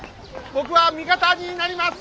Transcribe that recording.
僕は味方になります！